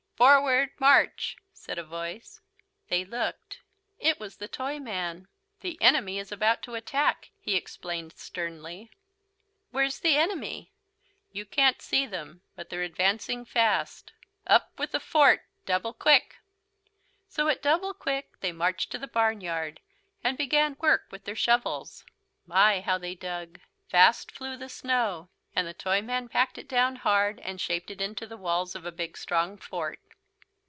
"Forward march!" said a voice. They looked. It was the Toyman. "The enemy is about to attack," he explained sternly. "Where's the enemy?" "You can't see them. But they're advancing fast. Up with the fort. Double quick!" So at double quick they marched to the barnyard, and began work with their shovels. My! how they dug! Fast flew the snow. And the Toyman packed it down hard, and shaped it into the walls of a big strong fort.